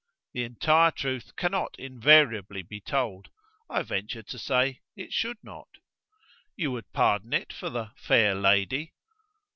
The entire truth cannot invariably be told. I venture to say it should not." "You would pardon it for the 'fair lady'?"